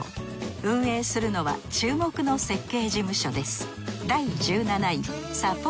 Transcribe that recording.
運営するのは注目の設計事務所です